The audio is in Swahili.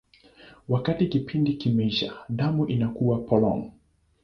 Wakati kipindi kimeisha, damu inakuwa polong.